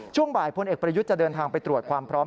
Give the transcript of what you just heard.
ช่วงบ่ายพลเอกประยุทธ์จะเดินทางไปตรวจความพร้อม